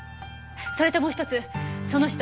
それともう一つその人